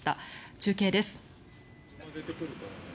中継です。